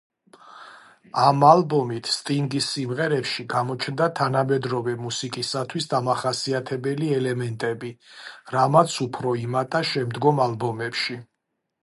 ამ ალბომით სტინგის სიმღერებში გამოჩნდა თანამედროვე მუსიკისათვის დამახასიათებელი ელემენტები, რამაც უფრო იმატა შემდგომ ალბომებში.